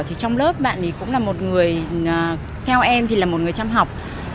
trong lớp bạn ấy cũng là một người theo em thì là một người chăm học